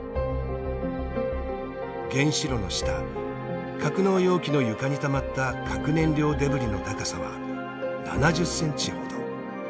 原子炉の下格納容器の床にたまった核燃料デブリの高さは７０センチほど。